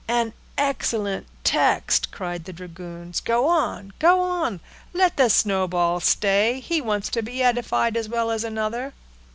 "An excellent text!" cried the dragoons. "Go on—go on—let the snowball stay; he wants to be edified as well as another."